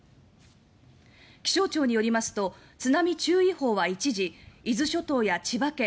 気象庁によりますと津波注意報は一時伊豆諸島や千葉県